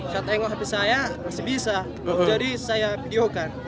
saat tengok hp saya masih bisa jadi saya videokan